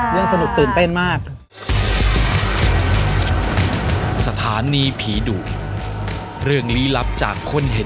เรื่องสนุกตื่นเต้นมาก